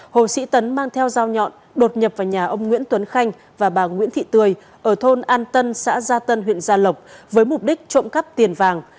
hồ sĩ tấn mang theo dao nhọn đột nhập vào nhà ông nguyễn tuấn khanh và bà nguyễn thị tươi ở thôn an tân xã gia tân huyện gia lộc với mục đích trộm cắp tiền vàng